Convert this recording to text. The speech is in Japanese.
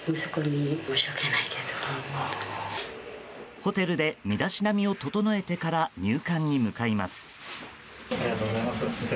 ホテルで身だしなみを整えてから入管に向かいます。